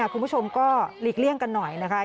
คุณผู้ชมก็หลีกเลี่ยงกันหน่อยนะคะ